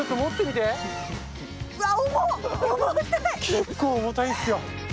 結構重たいんですよ。